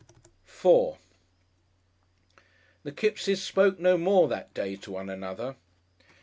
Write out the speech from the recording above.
§4 The Kippses spoke no more that day to one another.